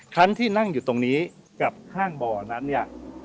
คันที่นั่งอยู่ตรงนี้กับห้างบ่อนั้นเนี่ย